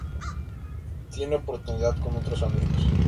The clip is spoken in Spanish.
Tiene oportunidad con otros amigos.